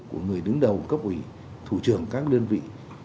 của người đứng đầu cấp ủy thủ trưởng các đơn vị